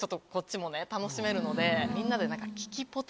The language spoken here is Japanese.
みんなで。